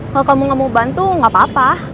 kalau kamu gak mau bantu gak apa apa